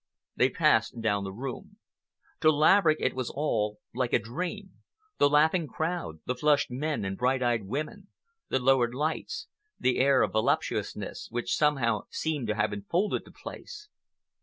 They passed down the room. To Laverick it was all—like a dream—the laughing crowd, the flushed men and bright eyed women, the lowered lights, the air of voluptuousness which somehow seemed to have enfolded the place.